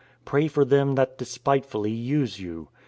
Pray for them that despitefully use you.